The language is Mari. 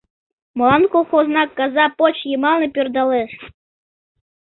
Молан колхозна каза поч йымалне пӧрдалеш...